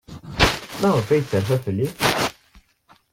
Maɣef ay terfa fell-i?